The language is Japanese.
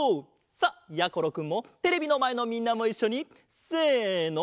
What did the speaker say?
さっやころくんもテレビのまえのみんなもいっしょにせの。